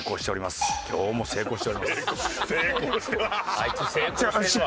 あいつ成功してるわ。